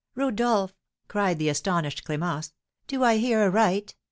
"Rodolph!" cried the astonished Clémence, "do I hear aright?